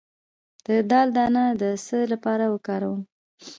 د دال دانه د څه لپاره وکاروم؟